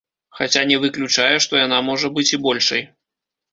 Хаця не выключае, што яна можа быць і большай.